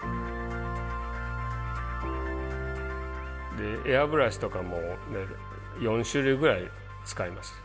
でエアブラシとかも４種類ぐらい使います。